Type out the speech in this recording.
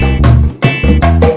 hanya kasi penumpang